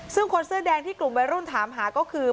ซึ่งคนเสื้อแดงที่กลุ่มวัยรุ่นถามหาก็คือ